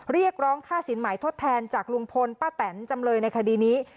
เรียกร้องค่าสินหมายทดแทนจากลุงพลป้าแตนจำเลยในคดีนี้